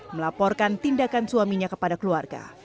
melaporkan tindakan suaminya kepada keluarga